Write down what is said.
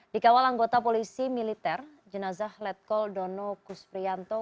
dikawal anggota polisi militer jelajah letkol dono kus prianto